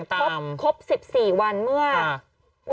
กล้องกว้างอย่างเดียว